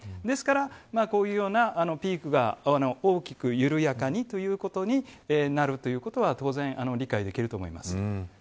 ですからこういうようなピークが大きく緩やかにということになるということは当然、理解できると思います。